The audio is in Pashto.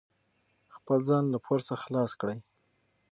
خپل ځان له پور څخه خلاص کړئ.